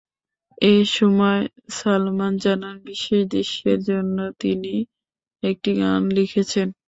এ সময় সালমান জানান, বিশেষ দৃশ্যের জন্য তিনি একটি গান লিখেছেন।